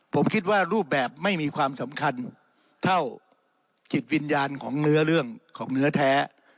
ผมคิดว่ารูปแบบไม่มีความสำคัญเท่าจิตวิญญาณของเนื้อเรื่องของเนื้อแท้